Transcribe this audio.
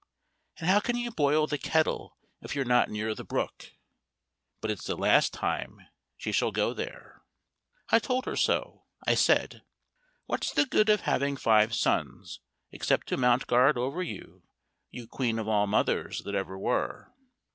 And how can you boil the kettle if you're not near the brook? But it's the last time she shall go there, I told her so; I said, "What's the good of having five sons, except to mount guard over you, you Queen of all Mothers that ever were?"